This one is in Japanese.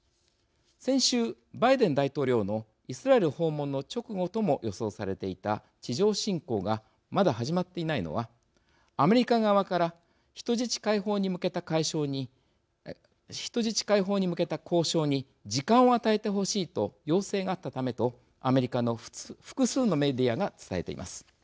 先週、バイデン大統領のイスラエル訪問の直後とも予想されていた地上侵攻がまだ始まっていないのはアメリカ側から人質解放に向けた交渉に時間を与えてほしいと要請があったためとアメリカの複数のメディアが伝えています。